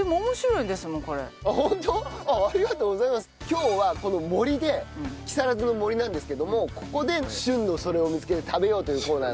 今日はこの森で木更津の森なんですけどもここで旬の“それ”を見つけて食べようというコーナーなんです。